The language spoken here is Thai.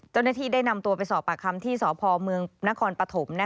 เจ้าหน้าที่ได้นำตัวไปสอบปากคำที่สพเมืองนครปฐม